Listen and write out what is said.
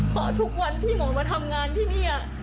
เพราะทุกวันที่หมอมาทำงานที่นี่